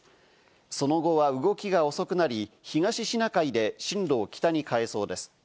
その後は動きが遅くなり、東シナ海で進路を北に変えそうです。